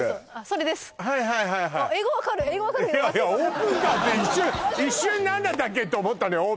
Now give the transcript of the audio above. それですあっ英語分かる「オープンカー」って一瞬何だったっけって思ったのよ